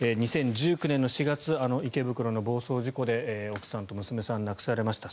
２０１９年４月池袋の暴走事故で奥さんと娘さんを亡くされました。